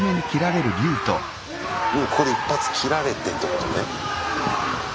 ここで一発斬られてってことね。